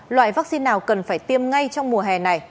loại vaccine nào cần phải tiêm ngay trong mùa hè này